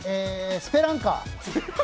スペランカー？